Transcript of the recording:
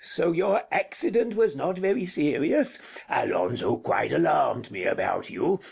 So your accident was not very serious? Alonzo quite alarmed me about you.